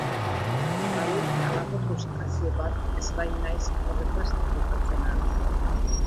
Badut halako frustrazio bat ez bainaiz horretaz trufatzen ahal.